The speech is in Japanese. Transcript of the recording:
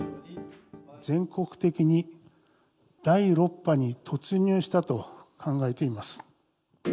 全国的に第６波に突入したと考えています。